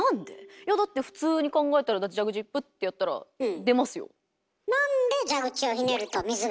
いやだって普通に考えたらだって蛇口プッてやったら出ますよ。